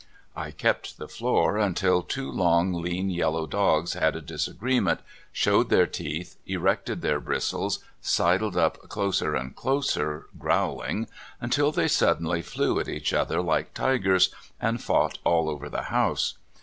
I '' kept the floor " until two long, lean yellow dogs had a disagreement, showed their teeth, erected their bristles, sidled up closer and closer, growl ing, until they suddenly flew at each other like tigers, and fought all over the house.